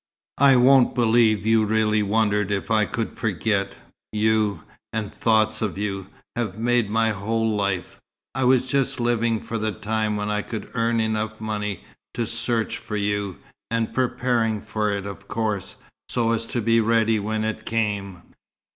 "I won't believe you really wondered if I could forget. You, and thoughts of you, have made my whole life. I was just living for the time when I could earn money enough to search for you and preparing for it, of course, so as to be ready when it came."